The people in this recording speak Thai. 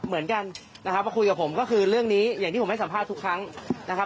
เหมือนกันนะครับมาคุยกับผมก็คือเรื่องนี้อย่างที่ผมให้สัมภาษณ์ทุกครั้งนะครับ